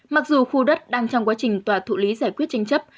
mặc dù khu đất đang trong quá trình tòa thụ lý giải quyết tranh chấp